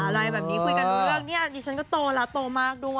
อะไรแบบนี้คุยกันเรื่องเนี่ยดิฉันก็โตแล้วโตมากด้วย